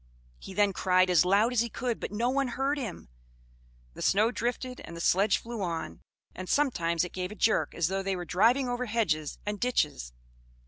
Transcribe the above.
He then cried as loud as he could, but no one heard him; the snow drifted and the sledge flew on, and sometimes it gave a jerk as though they were driving over hedges and ditches.